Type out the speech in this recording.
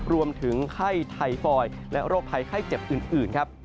รวมถึงไข้ไทฟอยและโรคภัยไข้เจ็บอื่นครับ